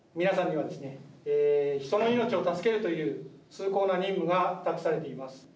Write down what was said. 皆さんには、人の命を助けるという、崇高な任務が託されています。